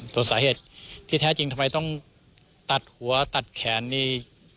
ส่วนสาเหตุที่แท้จริงทำไมต้องตัดหัวตัดแขนนี่